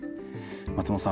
松本さん